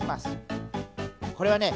これはね